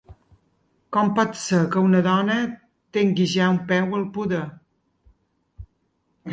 Com pot ser que una dona tingui ja un peu al poder?